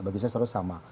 bagi saya seharusnya sama